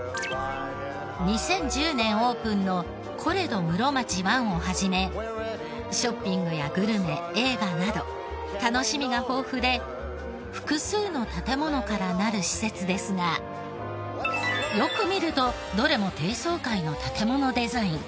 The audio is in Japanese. オープンのＣＯＲＥＤＯ室町１を始めショッピングやグルメ映画など楽しみが豊富で複数の建ものからなる施設ですがよく見るとどれも低層階の建ものデザイン。